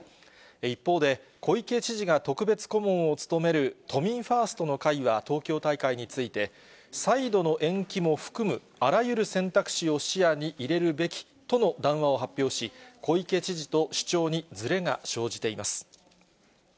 一方で、小池知事が特別顧問を務める都民ファーストの会は東京大会について、再度の延期も含む、あらゆる選択肢を視野に入れるべきとの談話を発表し、小池知事と主張にずれが生じています。